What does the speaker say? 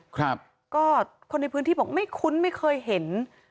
ครับก็คนในพื้นที่บอกไม่คุ้นไม่เคยเห็น